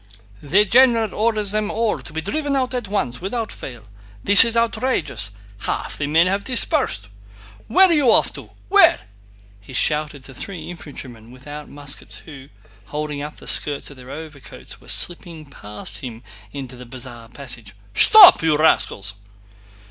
"The general orders them all to be driven out at once, without fail. This is outrageous! Half the men have dispersed." "Where are you off to?... Where?..." he shouted to three infantrymen without muskets who, holding up the skirts of their overcoats, were slipping past him into the Bazaar passage. "Stop, you rascals!"